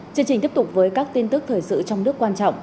chương trình tiếp tục với các tin tức thời sự trong nước quan trọng